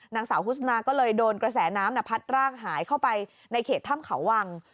นางสาวโฆษณาก็เลยโดนกระแสน้ำพัดร่างหายเข้าไปในเขตถ้ำเขาวัง